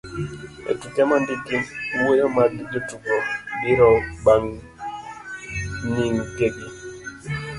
e tuke mondiki, wuoyo mag jotugo biro bang' nying'egi